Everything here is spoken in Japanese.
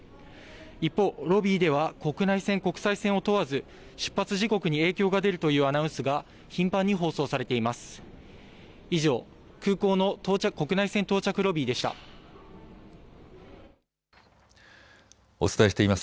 一方、ロビーでは国内線、国際線を問わず出発時刻に影響が出るというアナウンスが頻繁に放送されています。